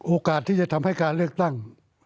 โอกาสที่จะทำให้การเลือกตั้ง